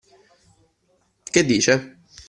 Che dice?